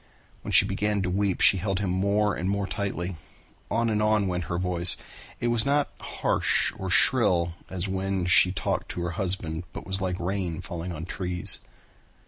When he began to weep she held him more and more tightly. On and on went her voice. It was not harsh or shrill as when she talked to her husband, but was like rain falling on trees.